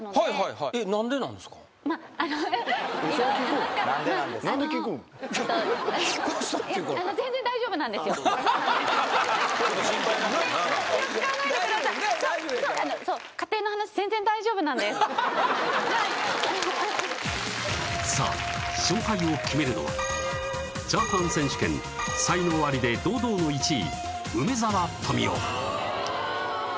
はっさあ勝敗を決めるのはチャーハン選手権才能アリで堂々の１位梅沢富美男